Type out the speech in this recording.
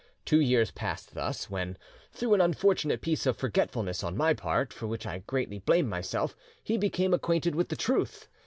Two years passed thus, when, through an unfortunate piece of forgetfulness on my part, for which I greatly blame myself, he became acquainted with the truth.